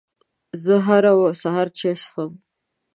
زه هر سهار چای څښم.